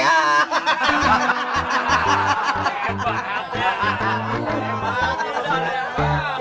sok mau pesan